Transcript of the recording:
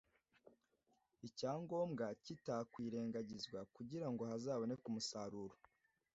icyangombwa kitakwirengagizwa kugira ngo hazaboneke umusaruro